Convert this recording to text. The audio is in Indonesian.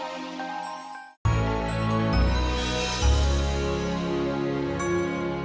supulla suhu maman selalu cerita